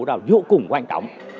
vụ đó vô cùng quan trọng